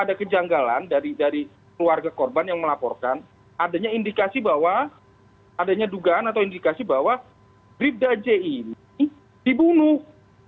ada kejanggalan dari keluarga korban yang melaporkan adanya indikasi bahwa adanya dugaan atau indikasi bahwa bribda j ini dibunuh